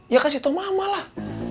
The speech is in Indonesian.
ya kasih tau mama lah